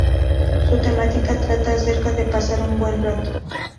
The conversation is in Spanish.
Su temática trata acerca de pasar un buen rato.